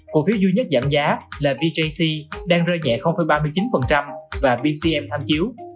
cụ phiếu duy nhất giảm giá là vjc đang rơi nhẹ ba mươi chín và bcm tham chiếu